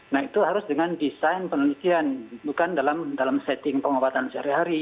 nah itu harus dengan desain penelitian bukan dalam setting pengobatan sehari hari